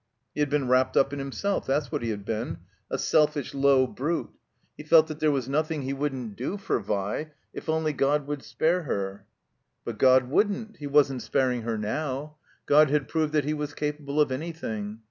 He had been wrapped up in him self, that's what he had been; a selfish, low brute. ISO THE COMBINED MAZE He fdt that there was nothing he woiddn't do for Vi, if only God wotdd spare her. But God wouldn't. He wasn't sparing her now. God had proved that he was capable of anjrthing.